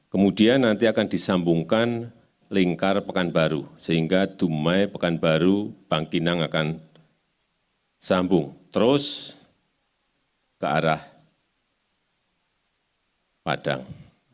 kemudian nanti akan disambungkan lingkar pekanbaru sehingga dumai pekanbaru bangkinang akan sambung terus ke arah padang